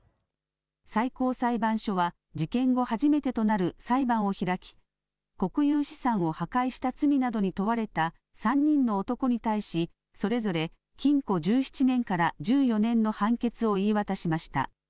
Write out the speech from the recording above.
最高裁判所は、事件後初めてとなる裁判を開き、国有資産を破壊した罪などに問われた３人の男に対し、それぞれ禁錮１７年から１４年の判決を言い渡しました。